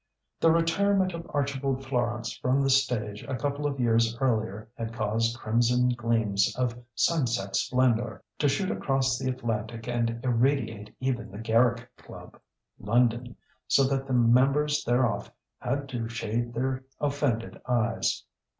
The retirement of Archibald Florance from the stage a couple of years earlier had caused crimson gleams of sunset splendour to shoot across the Atlantic and irradiate even the Garrick Club, London, so that the members thereof had to shade their offended eyes.